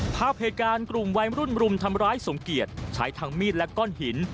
ภาพเหตุการณ์กลุ่มวัยรุ่นรุมทำร้ายสมเกียจใช้ทั้งมีดและก้อนหิน